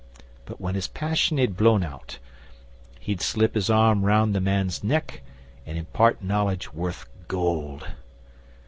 But when his passion had blown out, he'd slip his arm round the man's neck, and impart knowledge worth gold.